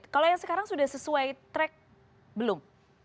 kalau yang sekarang sudah sesuai track belum